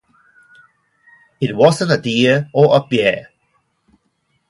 It wasn't a deer or a bear.